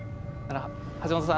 橋本さん